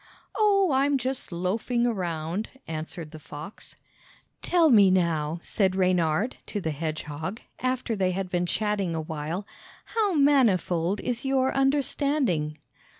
"Oh, I'm just loafing around!" answered the fox. "Tell me, now," said Reynard to the hedgehog, after they had been chatting a while, "how manifold is your understanding?"